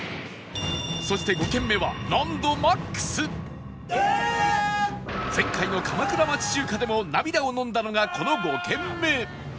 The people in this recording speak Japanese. そして前回の鎌倉町中華でも涙をのんだのがこの５軒目